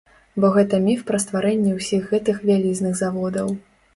Бо гэта міф пра стварэнне ўсіх гэтых вялізных заводаў.